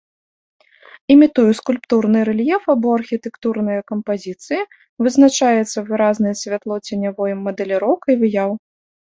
Імітуе скульптурны рэльеф або архітэктурныя кампазіцыі, вызначаецца выразнай святлоценявой мадэліроўкай выяў.